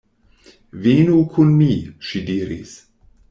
Venu kun mi, ŝi diris.